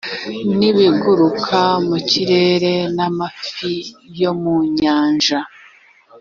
n ibiguruka mu kirere n amafi yo mu nyanja